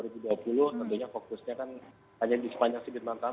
tentunya fokusnya kan hanya di sepanjang segitiga panggilan